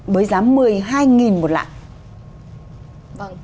với giá một mươi hai một lạng